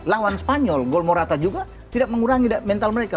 lawan spanyol gol morata juga tidak mengurangi mental mereka